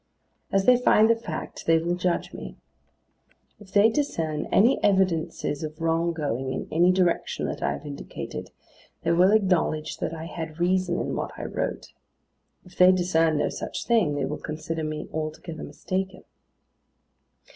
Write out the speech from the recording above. As they find the fact, they will judge me. If they discern any evidences of wrong going in any direction that I have indicated, they will acknowledge that I had reason in what I wrote. If they discern no such thing, they will consider me altogether mistaken.